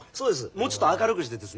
もうちょっと明るくしてですね